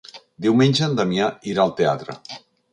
Diumenge en Damià irà al teatre.